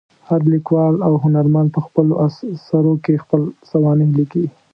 هر لیکوال او هنرمند په خپلو اثرو کې خپله سوانح لیکي.